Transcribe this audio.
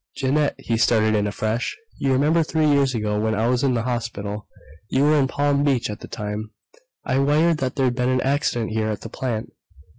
"Jeannette," he started in afresh, "you remember three years ago when I was in the hospital. You were in Palm Beach at the time, and I wired that there'd been an accident here at the plant.